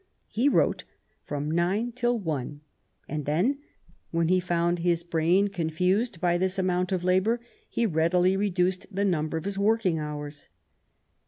He wrote from nine till one, and then, when he found his brain confused by this amount of labour, he readily reduced the number of his working hours.